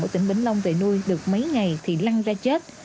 ở tỉnh bình long về nuôi được mấy ngày thì lăng ra chết